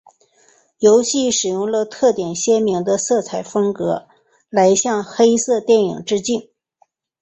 游戏使用了特点鲜明的色彩风格来向黑色电影致敬。